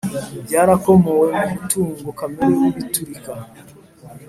byarakomowe mu mutungo kamere w ibiturika